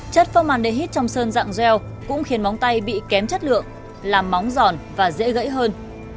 chất formandehyde trong sơn dạng gel cũng khiến móng tay bị kém chất lượng làm móng giòn và dễ gãy hơn